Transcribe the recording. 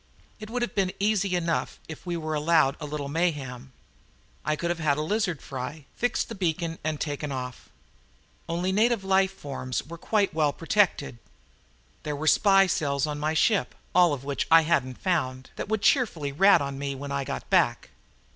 It would have been easy enough if we were allowed a little mayhem. I could have had a lizard fry, fixed the beacon and taken off. Only "native life forms" were quite well protected. There were spy cells on my ship, all of which I hadn't found, that would cheerfully rat on me when I got back.